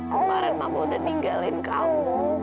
kemarin mama udah ninggalin kamu